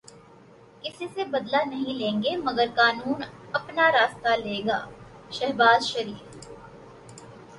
کسی سے بدلہ نہیں لیں گے مگر قانون اپنا راستہ لے گا، شہباز شریف